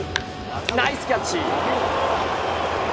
ナイスキャッチ。